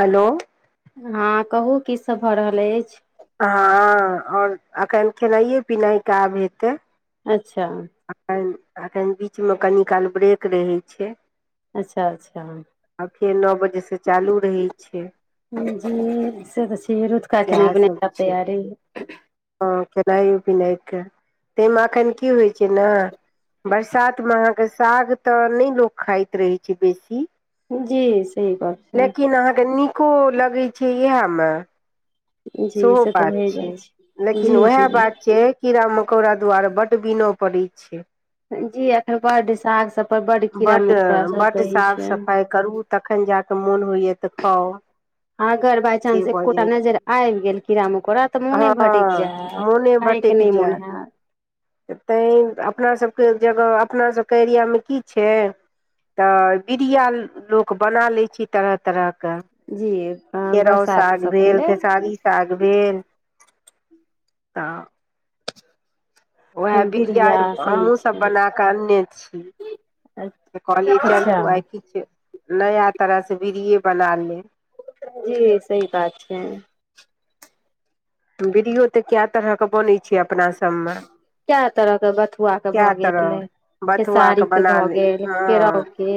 Hello हँ कहू की सब भऽ रहल यैछ हँ आ और एखन खेनाइए पिनाइ काब हेतै अच्छा एखन एखन बीचमे कनि काल ब्रेक रहै छै अच्छा अच्छा आ फेर नओ बजे से चालू रहै छै जी से तऽ छी रतका खेनाइ सएहसभ पिना छै तैयारी हँ खेनाइयो पिनाइके ताहिमे एखन की होइ छै न बरसातमे अहाँके साग तऽ नय लोक खाइत रहैत छै बेसी जी सही गप छै लेकिन अहाँके नीको लगै छै इहै मे जी सेहो से तऽ बात भए छै जाइ जी लेकिन उएह जी बात छै कीड़ा मकोड़ा दुआार बड बिनो पड़ै छै जी अखन बड साग सब बड कीड़ा बड्ड मकोड़ा सब बड्ड रही साफ छै सफाइ करू तखन जा कऽ मोन होइए तऽ खाओ अगर बााय चानंस एकोटा नजर आयीब गेल कीड़ा मकोड़ा तऽ हँ मोने भटयक जाय मोने ख क भटकि नय मोन जायत हैत तैं अपनासभके जगह अपनासभके एरियामे की छै तऽ बीड़िया लोक बना लै छै तरह तरह जी केराउ बरसात साग सबके भेल लेल खेसारी साग भेल तऽ उएह बिरिय बिरिया सही हमहूँसभ छै बना कऽ अनने छी तऽ कहलियै अच्छा चलू आइ किछु नया तरहसँ बीड़िये बना ले जी सही बात छै बीड़ियो तऽ कए तरहके बनैत छै अपना सभमे कए तरह के बथुआ के भऽ गेल बथुआके खेसारीके बना भऽ ले गेल हँ केरावके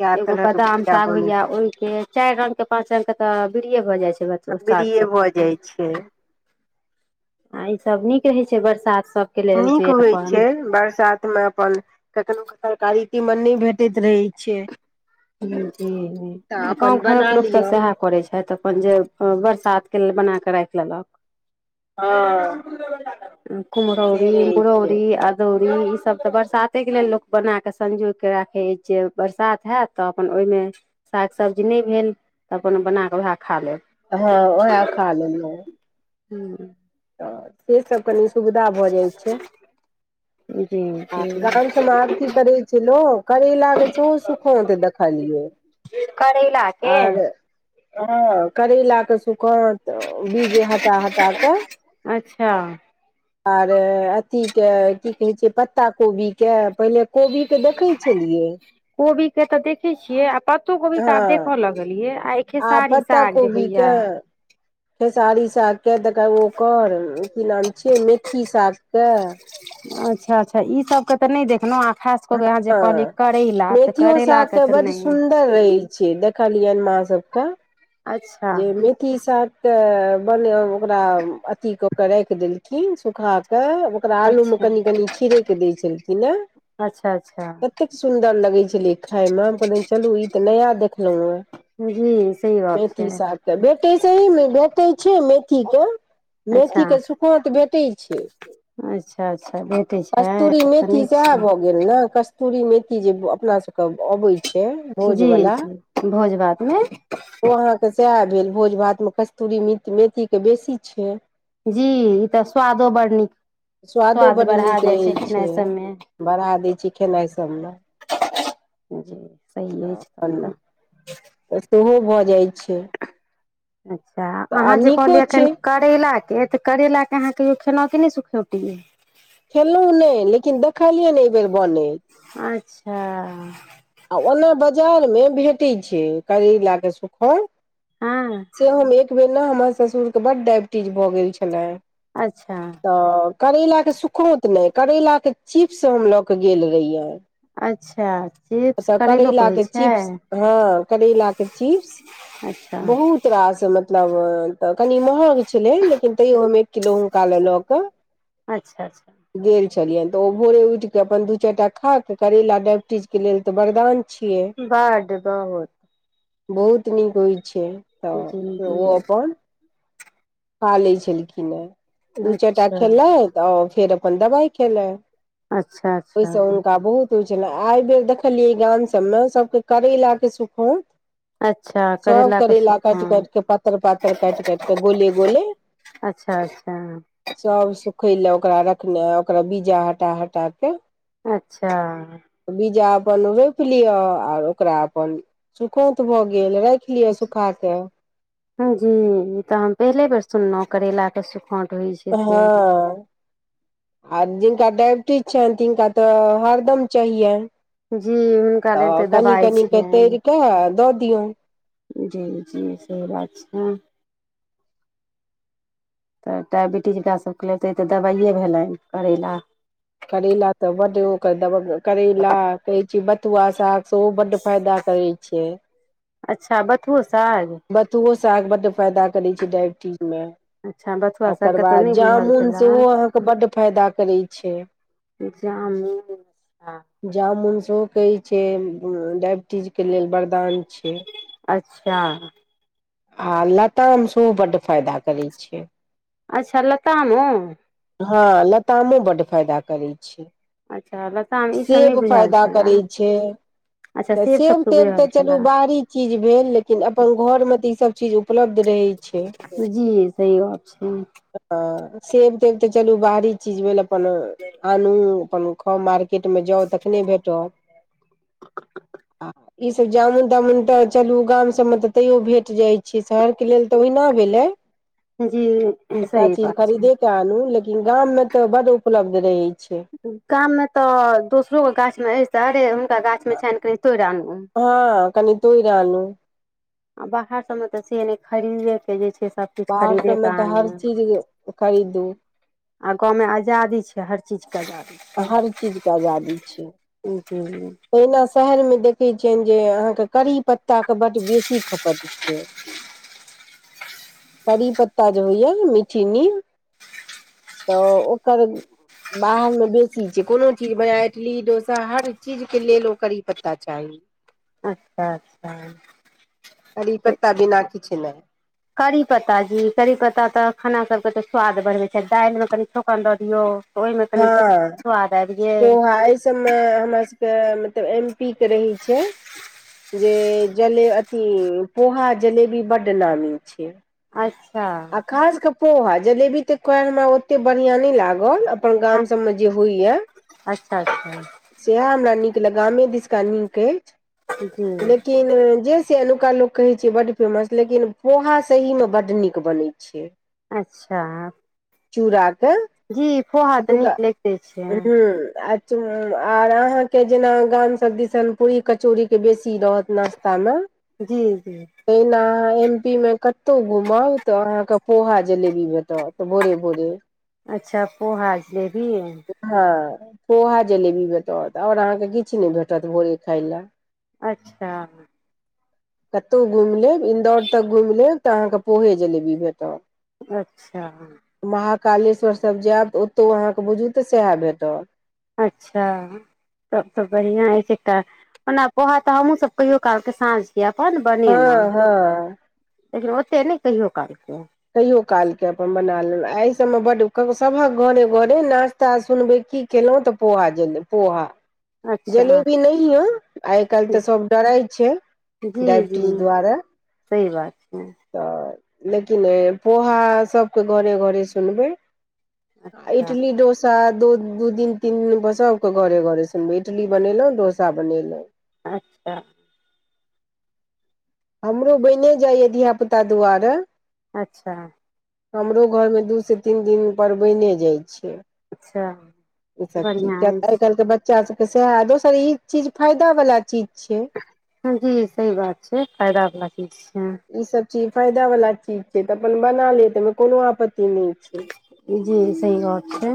कए एगो तरहके बादाम बिरिया साग बनै होइया ओहि के चारि रंग के पाच रंग के तऽ बीड़े भऽ जाइ बिरिये छै भऽ जाइ छै [unintelligible] आ ईसभ नीक रहैत छै बरसात सबके लेल नीक जे होइ छै अपन बरसातमे अपन कखनो क तरकारी तीमन नहि भेटैत रहै छै जी तऽ आ गाँव अपन बना घरक लोक त लिअ सएह करैत छथि अपन जे बरसात बना क राख लेलक हँ से कुमरौरी रहै छै मुड़ौरी अदौरी सभ तऽ बरसातेके लेल लोक बनाकऽ संजोगिकऽ राखै अछि जे बरसात होयैत तऽ अपन ओहिमे साग सब्जी नहि भेल तऽ अपन बनाकऽ वएह खा लेब हँ ओह खा लेलो हू से सभ कनि सुविधा भऽ जाइत छै जी आ गाम जी सभमे आब की करै छै लोक करैला के सेहो सुखोते देखलियै करैलाके हँ करैलाक के सुखत बीज हटा हटा कऽ अच्छा आर अथीके की कहैत छै पत्ता कोबीके पहिले कोबीके देखैत छलियै छलियै कोबी के तऽ देखै छियै आ पत्तो कोबी ता आब हँ देखय लगलियै आ खेसारी पत्ता साग जे कोबी होइया के खेसारी सागके त ओकर की नाम छियै मेथी सागके अच्छा अच्छा ई सब के तऽ नहि देखलहु आ खास कऽ के अहाँ जे हँ कहलियै करैला तऽ मेथियो करैलाके सागके तऽ बड नहि सुन्दर रहै छै देखलियनि मा सब क अच्छा जे जेथि साग तऽ बने ओकरा अथिी कऽ केऽ राखि देलखिन सूखाऽ के ओकरा आलूमे अच्छा कनि कनि छिड़ैके दै छलखिन ह न अच्छा अच्छा कतेक सुन्दर लगै छलै खाायमे हम कहलियनि चलू ई तऽ नया देखलहुँ हेँ हूँ सही बात छै सागके भेटै सहिमे भटै छै मेथी के अच्छा मेथी के सुखौंत भेटै छै अच्छा अच्छा भेटै छै कस्तूरी तब तऽ मेथी नीक सब छै भऽ गेल ने कस्तूरी मेथी जे अपना सब क आबैय छै भोज जी बला जी भोज भातमे ओ अहाँक इएह भेल भोज भात मे कस्तूरी मेथी मेथी के बेसी छै जी ई तऽ स्वादो बड्ड नीक स्वादो स्वाद बड्ड बढ़ा नीक जाइ रहै छै खेनाइ सबमे बढ़ा दै छी खेनाइ सभमे जे सही अछि तब तऽ तऽ सेहो भऽ जाइत छै अच्छा आ अहाँ जे नीको कहलियै छै एखन करैला तऽ करैेला के अहाँ कहियो खेलहु की नहि सुखौटी मे खेलौं नहि लेकिन देखलियै ने एहि बेेर बनैत अच्छा आ ओना बाजारमे भेटै छै करैला कऽ सुखौंत हँ से हम एक बेर ने हमर ससुर के बड्ड डायबिटीज भऽ गेल छलैन्ह अच्छा करैला के सुखोंत नहि करैला के चिप्स हम लऽ के गेल रहिये अच्छा चिप्स तऽ करैलोके होइ करैलाके छै चिप्स हँ करैलाके चिप्स अच्छा बहुत रास मतलब तब कनि महग छलै लेकिन तैयो हम एक किलो हुनका लेल लऽ कऽ अच्छा अच्छा गेल छलियनि तऽ ओ भोरे उठिके अपन दू चारिटा खाक करेला डायइबिटीजके लेल तऽ वरदान छियै बड्ड बहुत बहुत नीक होइ छै तऽ ओ झिंगुर अपन खा लै छलखिन हेँ दू चारि टा अच्छा खेलथि आ फेर अपन दबाइ खेला अच्छा अच्छा ह होइ छलै एहि बेर देखलियै गाम सबमे सबके करेला के सुखौंत अच्छा सब करैला के करेला काटि सुखल काटि के पातर पातर काटि काटि के गोले बोलें अच्छा अच्छा सब सु खय लए ओकरा रखने आ ओकरा बीजा हटा हटा कऽ अच्छा अपन रोपि लिय आर ओकरा अपन सुखौंत भऽ गेल राइ जी ई तऽ हम पहिले बेर सुनलहुँ करेलाक के सुख [unintelligible] टी छनि तिनका तऽ हरदम चाहियैन जी हुनका लेल तऽ कनि दबाइ कनि तैरि छियनि कऽ दऽ दियौन जी जी सही बात छै ह तऽ डायबिटीज एकरा सभके लेल ई तऽ दबाइए भेलनि करैला करैला तऽ बड्ड ओकर दब करैला कहैय छी बथुआक साग सेहो बड्ड फायदा करै छियै अच्छा बथुओ साग बथुओ साग बड्ड फायदा करै छै डायबिटीज मे अच्छा बथुआ ओकर सागके तऽ नहि बाद बुझल जामुन सेहो छलए अहाँके बड्ड फायदा करै छै जामुन आ ओ कहैय छै डाइबिटीजके लेल वरदान छै अच्छा आ लताम सेहो बड्ड फायदा करैत छै अच्छा लतामो हँ लतामो बड्ड फायदा करै छै अच्छा लताम ई सब नहि सेब बुझायल फायदा छलए करै छैय। अच्छा तऽ सब सेब तेब तऽ बुझल चलू छलए बाहरी चीज भेल लेकिन अपन घरमे तऽ ईसब चीज उपलब्ध रहै छैय। जी सही गप छै सेब तेब ते चलु बाहरी चीज भेल अपन आनु अपन खाउ मार र्केटमे जाउ तखने भेटत। आ ईसब जामुन तामुन तऽ चलू गाम सबमे तऽ तैयो भेट जाइत छैय। शहर के लेल तऽ ओहिना भेलै जी सबटा सही चीज बात छै खरीदे के आनू लेकिन गाम में तऽ बड उपलब्ध रहै छैय। गाम मे तऽ दोसरो के गाछ मे अछि अरे हुनका गाछ मे छैनि क हँ कनि तोड़ि आनु आ बाहर सभमे तऽ से नहि खरीदेके जे छैय से बाहर सभमे तऽ हर चीज खरीदू। आ गाँवं आजादी छैय हर चीज के आजादी छै हर चीज के आजादी छैय जी तहिना शहर मे देखैत छियनि जे अहाँके करी पत्ताक बड्ड बेसी खपत छैय। करी पत्ता जे होइ य ने मीठी नीम तऽ ओकर बाहरमे बेसी छैय कोनो चीज बना इडली डोसा हर चीजके लेल ओ करी पत्ता चाही। अच्छा अच्छा कढ़ी पत्ता बिना किछ नहि। करि पत्ता जी करि पत्ता तऽ खानासभके तऽ स्वाद बनबै छैय दालिमे कनि छौकन दऽ दियौ। ओहिमे कनि हँ स्वाद आबि गेल तह अइ सबमे हमरा सब त मतलब एम पी के रहै छैय। जे जले अथी पोहा जलेबी बड्ड नामी छैय। अच्छा आ खासके पोहा जलेबी तऽ कढ़िमे ओतेक बढ़िआँ नहि लागल। अपन गाम सबमे जे होइ ह अच्छा अच्छा सेह हमरा नी गामे दिसका नीक अछि जी लेकिन जे से एनुका लोक कहै छैैय बड फेमस लेकिन पोहा सही में बड नीक बनै छैय। अच्छा चूराक जी पोहा तऽ नीक अतूका लगिते छै आर अहाँके जेना गाम सब दिसन पूरी कचौड़ी के बेसी रहत नासता में जी अहाँ एम पी मे कतहु घुमब तऽ अहाँके पोहा जलेबी भेटत भोरे भोरे। अच्छा पोहा आ जलेबी हँ पोहा जलेबी भेटत आओर अहाँकेँ किछु नहि भेटत भोरे खाय लेल अच्छा कतहु घुमि लेब इन्दौर तक घुमि लेब तऽ अहाँके पोहे जलेबी भेटत अच्छा कालेश्वर सब जायब तऽ ओतहु अहाँके बुझू तऽ सेहै भेटत। अच्छा तब त बढ़िआं अछि एट ओना पोहा तऽ हमहहुँ सब कहियो कालके साँझ अपन बनेलहुं हँ हँ लेकिन ओते नहि कहियो काल कहियो कालके अपन बना लेलव एहि सभमे बड्ड सभक घरे घरे नास्ता सुनबै की केलहुँ तऽ पोहा जलेबी पोहा अच्छा जलेबी नहियो आइ काल्हि तऽ सभ डराइ छैय। जी जी डायबिटीज द्वारे सही बात छै तऽ लेकिन पोहा सभके घरे घरे सुनबै अच्छा इडली डोसा दो दू दिन तीन दिन बसके घरे घरे सुनब इडली बनेलहुं डोसा बनेलहुं। अच्छा हमरो बईने जाइए धियापुता दुआरे। अच्छा हमरो घरमे दू सँ तीन दिन परवैने जाइत छै अच्छा इसभ चीज बढ़िआँ तऽ अछि आइ काल्हिके बच्चा सभके सेहै दोसर ई चीज फायदा बला चीज छै हँ जी सही बात छै फायदवला चीज छै इ चीज फायदा वला चीज छै तऽ अपन बना ले तहिमे कोनो आपत्ति नहि छै जी सही बात छै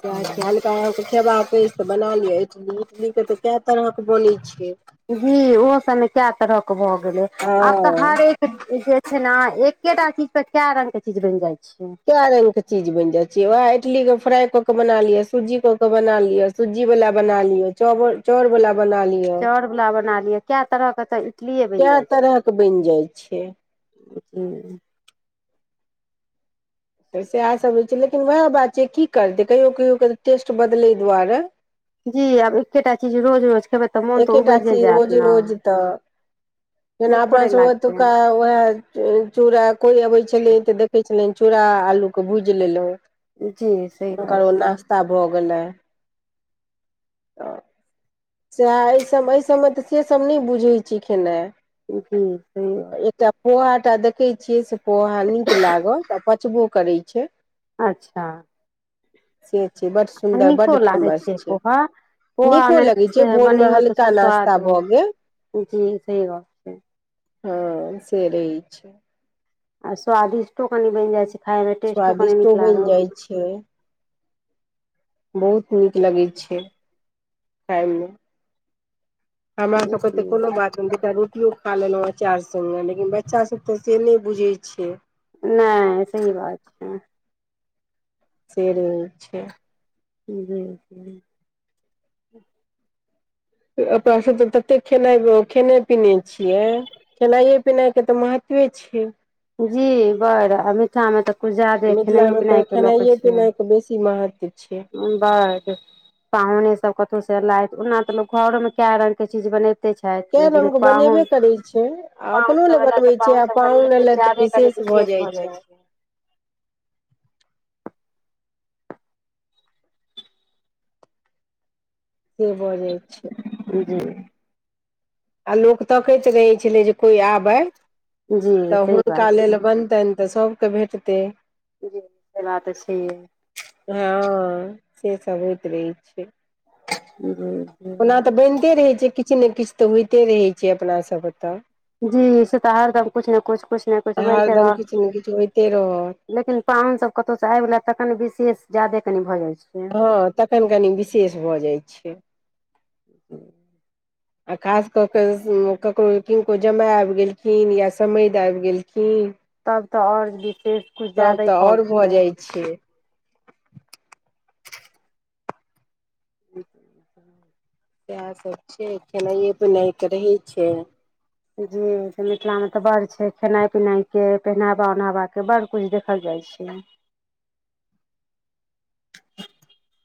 सेचछाले तऽह खेयबै [inaudible] तऽ बना लिअ इडली तऽ कए तरहके बोनै छियै जी ओहो सबमे कए तरहके भऽ गेलै आब तऽ हँ हरेक जे छै ने एकेटा चीज से कै रंग के चीज बनि जाइ छै कै रंग के चीज बन जा छै वएह इडली के फ्राई क के बना लिय सजी क के बना लिय सुजी बला बना लिय चाउर बला बना लियौ चाउर वाला बना लिअ कए तरह के तऽ इडलिये बनि कै जाइ तरह के बनि जाइ छै [inaudible] ह [inaudible] तऽ सएहसभ रहै छै लेकिन उएह बात छै की करतै कहियो कहियओ क तऽ टेस्ट बदलय दुआरे जी आब एकेटा चीज रोज रोज खेबै तऽ मोन तऽ एके टा उबजे चीज़ जायत रोजे ने रोज तऽ जेना नीको अपना नहि सँभ लागतै अतुका उएह चूड़ा कोइ अबै छलै तऽ देखै छलेन चूड़ा आलू के भूइज लेलहु जी सही बात हूनकर ओ नाश्ता भऽ गेलै सएह एहिसभ एहिसभ में तऽ सेसभ नहि बुझैत छी खेना छै जी सही बात एकटा पोहा टा देख देखै छियै से पोहा नीक लागत आ पचबो करै छै अच्छा से छै बड आ सुन्दर बड नीको लागै फेमस छै पोहा पोहा नीको ओना लगै छै नीक से भोर में बनैयौ तऽ हल्का नाास्ता स्वाद हो भऽ गेल जी सही बात छै हँ से रहै छै आ स्वादिष्टो कनि बनि जाइ छै खाय में टेस्टो कनि स्वादिष्टो नीक बनि लागल जाइ छै बहुत नीक लगैत छै खाय में हमरा सबके तऽ कोनो बात नहि दु टा रोटियो खा लेलहुँ अचार सङ्गे लेकिन बच्चासभ तऽ से नहि बुझै छै नै सही बात छै से रहे छै जी जी अपना सभ तऽ तते खेनाइ खेने पिने छियै खेनाइए पिनाइके तऽ महत्व ते छै जी बर आ मीसा मे तऽ किछु जादे खेनाइयो मिथिलामे पिनाइ तऽ के लअ क खेनाइए छै पिनाइके बेसी महत्व छै बड पाहुने सब कतहु सेे एलथि ओना तऽ लोक घरो में केय रंग के चीज बने ते छथि कए लेकिन रङ्गके बनेबे पाहुन करै छै आ पाहुन अपनो लए सब एला बनबै तऽ छै पाहुन आ सबके लए तऽ जादे करै विशेष त शेष भऽ जाइ छै से बजै छै हूं आ लोक तकैत रहै छलै जे कोइ आबय जी तऽ सही बात हुनका छै लेल बनतनि तऽ सभके भेटतै जी से बात त छै है हँ से सब होइत रहै छै हूं ओना तऽ बनिते रहैत छै किछु ने किछु तऽ होइते रहैत छै अपनासभ तय जी से तऽ हरदम कुछ ने कुछ कुछ ने कुछ बनिते हरदम रहल किछु ने किछु होइते रहत लेकिन पाहुन सब कतौ से आइ बलएथ त कनी विशेष ज्यादे कनी भऽ जाइ छै हँ तखन कनी विशेष भऽ जाइ छै [inaudible] आ खास कऽ कऽ ककरो किनको जमाय आबि गेलखिन या समधि आबि गेलखिन हूं तब तऽ आओर विशेष कुछ तब ज्यादे तऽ आओर भऽ गेल जाइ छै हं से सभ छै खेनाइए पीनायके रहै छै जी मिथिला में तऽ बड़ छै खेनाइ पिनाइ के पहनावा उनहावा के बड़ कुछ देखल जाय से छै [inaudible]